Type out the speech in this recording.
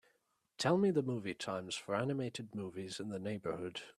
Tell me the movie times for animated movies in the neighborhood.